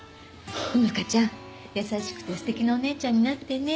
穂花ちゃん優しくて素敵なお姉ちゃんになってね。